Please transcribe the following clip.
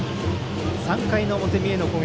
３回の表、三重の攻撃